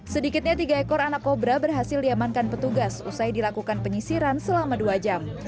sedikitnya tiga ekor anak kobra berhasil diamankan petugas usai dilakukan penyisiran selama dua jam